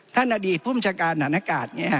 ท่านอดีตผู้มจากการธนกาล